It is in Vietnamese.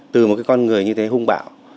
từ một cái con người như thế hung bạo